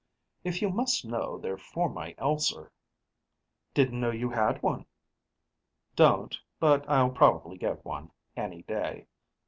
"If you must know, they're for my ulcer." "Didn't know you had one." "Don't, but I'll probably get one, any day."